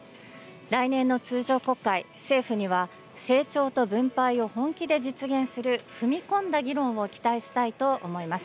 来年の通常国会、政府には成長と分配を本気で実現する、踏み込んだ議論を期待したいと思います。